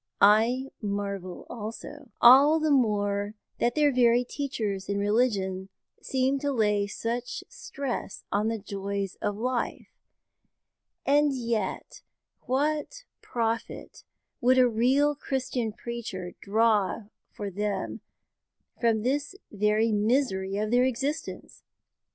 I marvel also; all the more that their very teachers in religion seem to lay such stress on the joys of life. And yet what profit would a real Christian preacher draw for them from this very misery of their existence!